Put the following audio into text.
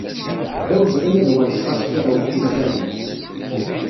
D awezɣi ad wenseɣ askiɛew n wucanen.